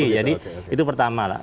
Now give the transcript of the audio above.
jadi itu pertama lah